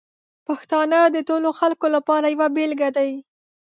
پښتانه د ټولو خلکو لپاره یوه بېلګه دي.